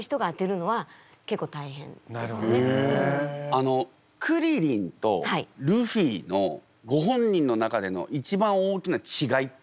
あのクリリンとルフィのご本人の中での一番大きな違いってあるんですか？